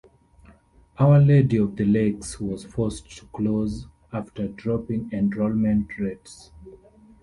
Our Lady of the Lakes was forced to close after dropping enrollment rates.